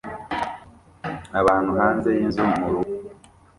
Abantu hanze yinzu mu rubura